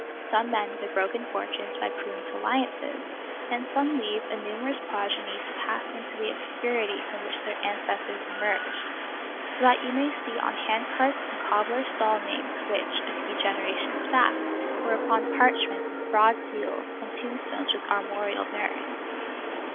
Some mend their broken fortunes by prudent alliances, and some leave a numerous progeny to pass into the obscurity from which their ancestors emerged; so that you may see on handcarts and cobblers' stalls names which, a few generations back, were upon parchments with broad seals, and tombstones with armorial bearings.